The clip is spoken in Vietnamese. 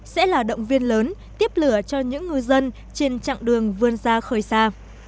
sẽ là động viên lớn tiếp lửa cho những ngư dân trên chặng đường vươn ra khơi xa